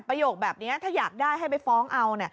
โยคแบบนี้ถ้าอยากได้ให้ไปฟ้องเอา